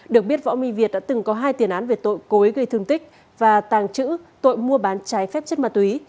được biết võ minh việt đã từng có hai tiền án về tội cối gây thương tích và tàng trữ tội mua bán trái phép chất ma túy